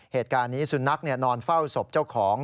เหตุการณ์นี้สุนัขนอนเฝ้าศพเจ้าของ